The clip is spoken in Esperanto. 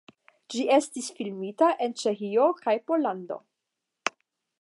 Ĝi estis filmita en Ĉeĥio kaj Pollando.